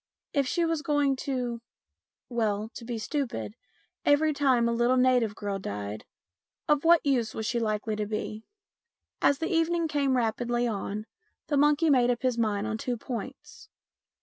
If she was going to well, to be stupid every time a little native girl died, of what use was she likely to be ? MINIATURES 221 As the evening came rapidly on, the monkey made up his mind on two points.